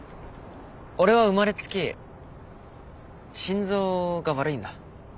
俺は生まれつき心臓が悪いんだ。